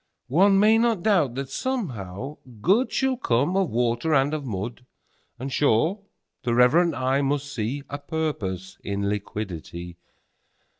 9One may not doubt that, somehow, Good10Shall come of Water and of Mud;11And, sure, the reverent eye must see12A Purpose in Liquidity.